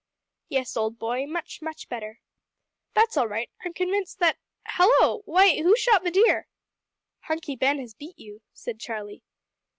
"Yes, old boy much much better." "That's all right. I'm convinced that hallo! why, who shot the deer!" "Hunky Ben has beat you," said Charlie.